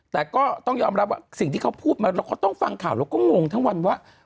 แต่ก็ต้องยอมรับว่าสิ่งที่เขาพูดมาเราก็ต้องฟังข่าวเราก็งงทั้งวันว่า